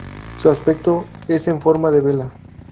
Su aspecto es en forma de vela.